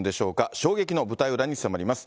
衝撃の舞台裏に迫ります。